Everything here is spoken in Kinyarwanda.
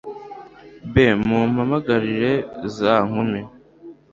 b mumpamagarire za nkumi